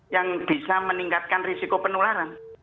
yang bisa meningkatkan risiko penularan